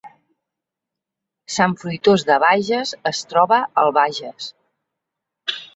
Sant Fruitós de Bages es troba al Bages